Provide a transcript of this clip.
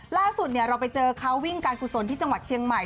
ล่าสุดเราไปเจอเขาวิ่งการกุศลที่จังหวัดเชียงใหม่